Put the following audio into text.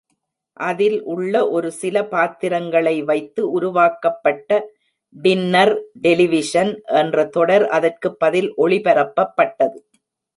அதில் உள்ள ஒரு சில பாத்திரங்களை வைத்து உருவாக்கப்பட்ட டின்னர் டெலிவிஷன் என்ற தொடர் அதற்கு பதில் ஒளிபரப்பப் பட்டது.